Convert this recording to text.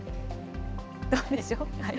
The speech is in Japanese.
どうでしょうか。